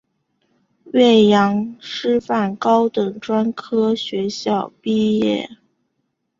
岳阳师范高等专科学校毕业。